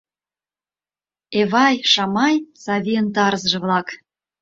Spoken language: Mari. Эвай, Шамай — Савийын тарзыже-влак.